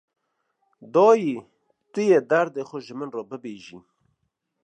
Dayê, tu yê derdê xwe ji min re bibêjî